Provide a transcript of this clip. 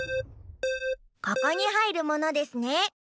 ここにはいるものですね。